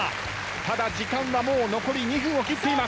ただ時間はもう残り２分を切っています。